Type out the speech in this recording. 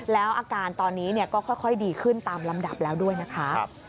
แล้วอาการตอนนี้ก็ค่อยดีขึ้นตามลำดับแล้วด้วยนะคะ